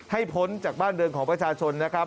พ้นจากบ้านเรือนของประชาชนนะครับ